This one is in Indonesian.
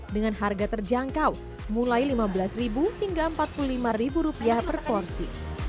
dengan harga terjangkau mulai lima belas hingga empat puluh lima rupiah per porsi